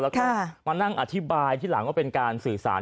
แล้วก็มานั่งอธิบายที่หลังว่าเป็นการสื่อสาร